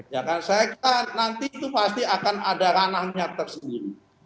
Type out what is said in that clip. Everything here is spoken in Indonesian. ya kan saya kira nanti itu pasti akan ada ranah nyata sendiri